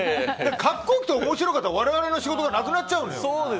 格好良くて面白かったら我々の仕事がなくなっちゃうのよ。